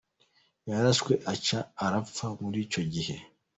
"Yarashwe aca arapfa muri ico gihe.